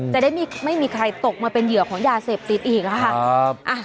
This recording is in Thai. จะได้ไม่มีใครตกมาเป็นเหยื่อของยาเสพติดอีกค่ะ